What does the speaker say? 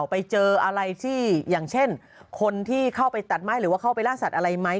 ไปเจออะไรที่อย่างเช่นคนที่เข้าไปตัดไม้หรือว่าเข้าไปล่าสัตว์อะไรไหม